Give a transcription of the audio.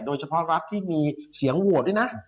โดยเฉพาะรัฐที่มีเสียงโหวตด้วยนะ